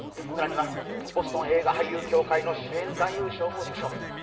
更にはボストン映画俳優協会の主演男優賞も受賞。